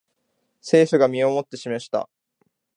政府が身をもって示した